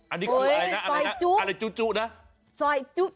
อันนี้คืออะไรนะ